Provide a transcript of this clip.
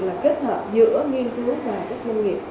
là kết hợp giữa nghiên cứu và các doanh nghiệp